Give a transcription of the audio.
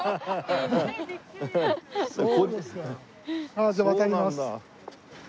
ああじゃあ渡ります。